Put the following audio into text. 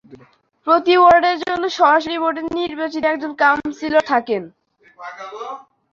প্রতি ওয়ার্ডের জন্য সরাসরি ভোটে নির্বাচিত একজন কাউন্সিলর থাকেন।